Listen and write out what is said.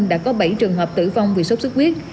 đã có bảy trường hợp tử vong vì sốt xuất huyết